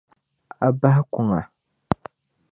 A bahi kuŋa.